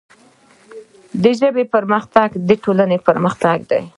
د ژبې پرمختګ د ټولنې پرمختګ دی.